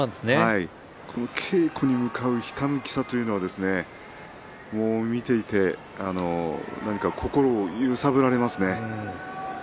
稽古へ向かうひたむきさというのは見ていて心を揺さぶられますね。